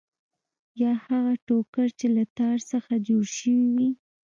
یا هغه ټوکر چې له تار څخه جوړ شوی وي.